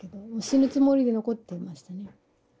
死ぬつもりで残っていましたね。